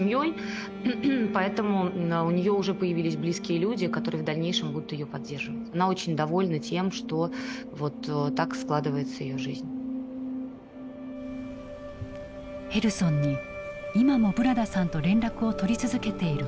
ヘルソンに今もブラダさんと連絡を取り続けている子どもがいた。